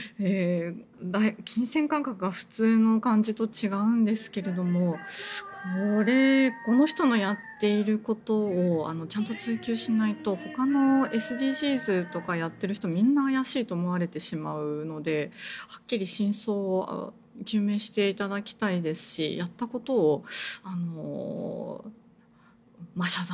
金銭感覚が普通の感じと違うんですけれどもこれ、この人のやっていることをちゃんと追及しないとほかのＳＤＧｓとかやってる人みんな怪しいと思われてしまうのではっきり真相を究明していただきたいですしやったことを謝罪